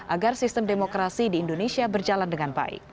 agar sistem demokrasi di indonesia berjalan dengan baik